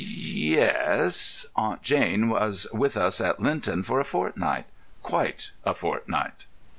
"Yes; Aunt Jane was with us at Lynton for a fortnight—quite a fortnight."